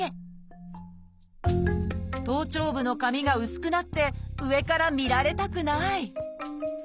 頭頂部の髪が薄くなって上から見られたくない！